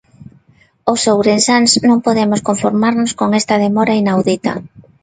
Os ourensáns non podemos conformarnos con esta demora inaudita.